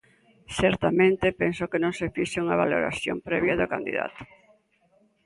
Certamente, penso que non se fixo unha valoración previa do candidato.